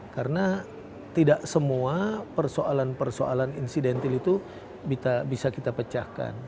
karena tidak semua persoalan persoalan insidentil itu bisa kita pecahkan